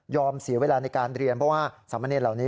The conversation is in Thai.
เสียเวลาในการเรียนเพราะว่าสามเณรเหล่านี้